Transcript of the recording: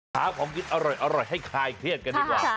หาของกินอร่อยให้คลายเครียดกันดีกว่า